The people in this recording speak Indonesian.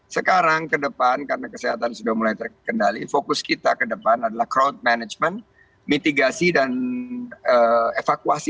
sekarang ke depan karena kesehatan sudah mulai terkendali fokus kita ke depan adalah crowd management mitigasi dan evakuasi